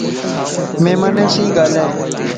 مھمانين سين ڳالھائي